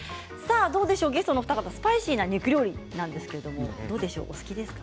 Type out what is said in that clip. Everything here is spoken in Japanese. ゲストのお二人、スパイシーな肉料理はお好きですか？